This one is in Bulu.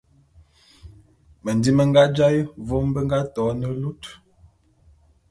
Mendim me nga jaé vôm be nga to ne lut.